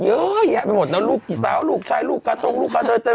เยอะแยะไปหมดแล้วลูกกี่สาวลูกชายลูกกาตรงลูกกาเติมไป